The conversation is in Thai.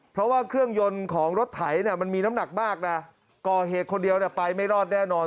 เพราะว่าเครื่องยนต์ของรถไถมันมีน้ำหนักมากนะก่อเหตุคนเดียวไปไม่รอดแน่นอน